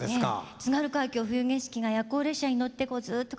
「津軽海峡・冬景色」が夜行列車に乗ってこうずっと帰ってくんだと。